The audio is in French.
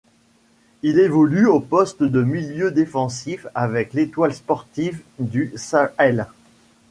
Il évolue au poste de milieu défensif avec l'Étoile sportive du Sahel.